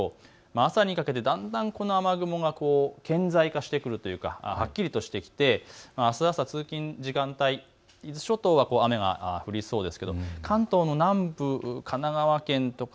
朝にかけてだんだんこの雨雲が顕在化してくるというかはっきりとしてきて、あす朝通勤、伊豆諸島は雨が降りそうです。